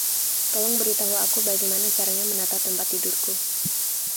Tolong beritahu aku bagaimana caranya menata tempat tidurku.